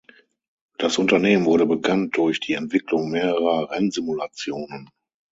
Das Unternehmen wurde bekannt durch die Entwicklung mehrerer Rennsimulationen.